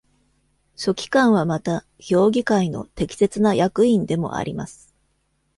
書記官はまた、評議会の「適切な役員」でもあります。